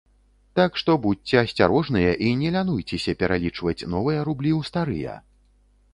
Так што будзьце асцярожныя і не лянуйцеся пералічваць новыя рублі ў старыя.